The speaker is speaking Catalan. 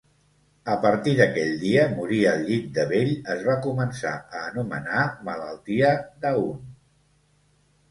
A partir d'aquell dia, morir al llit de vell es va començar a anomenar "malaltia d'Aun".